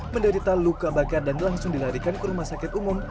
menderita luka bakar dan langsung dilarikan ke rumah sakit umum